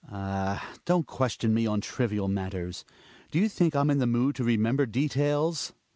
Hjalmar. Ah ! don't question me on trivial matters. Do you think I am in the mood to remember details